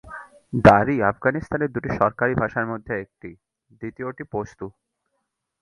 দারি আফগানিস্তানের দুইটি সরকারী ভাষার মধ্যে একটি; দ্বিতীয়টি পশতু।